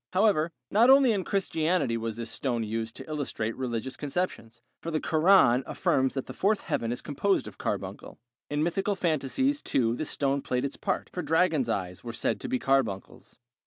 However, not only in Christianity was this stone used to illustrate religious conceptions, for the Koran affirms that the Fourth Heaven is composed of carbuncle. In mythical fancies too this stone played its part, for dragon's eyes were said to be carbuncles.